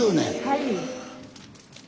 はい。